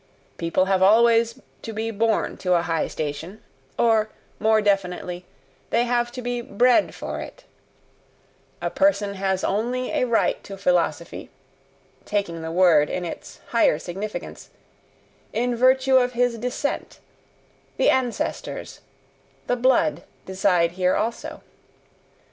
People have always to be born to a high station, or, more definitely, they have to be BRED for it: a person has only a right to philosophy taking the word in its higher significance in virtue of his descent; the ancestors, the "blood," decide here also.